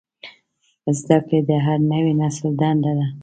زدهکړه د هر نوي نسل دنده ده.